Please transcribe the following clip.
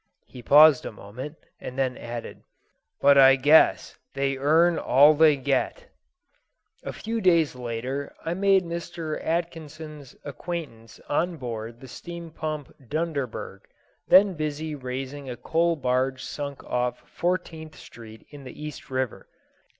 He paused a moment, and then added: "But I guess they earn all they get." A few days later I made Mr. Atkinson's acquaintance on board the steam pump Dunderberg, then busy raising a coal barge sunk off Fourteenth Street in the East River.